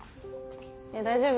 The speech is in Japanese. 大丈夫？